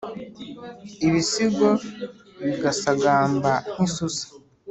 ibisigo bigasagamba nk’isusa